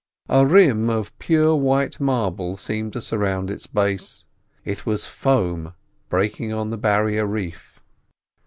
A rim of pure white marble seemed to surround its base. It was foam breaking on the barrier reef.